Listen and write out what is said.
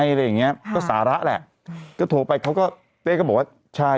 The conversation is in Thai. อะไรอย่างเงี้ยก็สาระแหละก็โทรไปเขาก็เต้ก็บอกว่าใช่